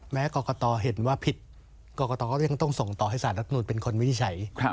กรกตเห็นว่าผิดกรกตก็ยังต้องส่งต่อให้สารรัฐมนุนเป็นคนวินิจฉัย